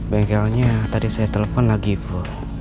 bengkelnya tadi saya telpon lagi bu